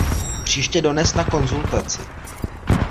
Příště dones na konzultaci.